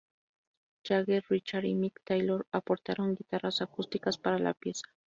Jagger, Richards y Mick Taylor aportaron guitarras acústicas para la pieza.